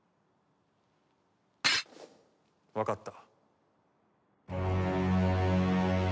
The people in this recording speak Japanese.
わかった。